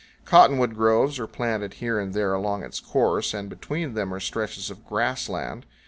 Cottonwood groves are planted here and there along its course, and between them are stretches of grass land.